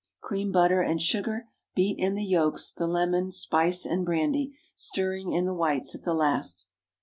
Cream butter and sugar, beat in the yolks, the lemon, spice, and brandy, stirring in the whites at the last.